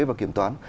và kiểm toán